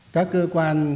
các cơ quan